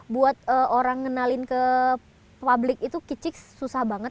buat orang ngenalin ke publik itu susah banget